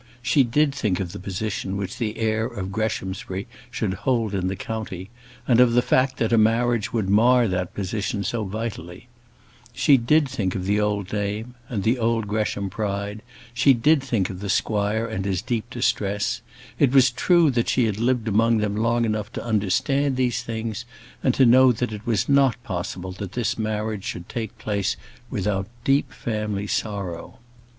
She did think of the position which the heir of Greshamsbury should hold in the county, and of the fact that a marriage would mar that position so vitally; she did think of the old name, and the old Gresham pride; she did think of the squire and his deep distress: it was true that she had lived among them long enough to understand these things, and to know that it was not possible that this marriage should take place without deep family sorrow.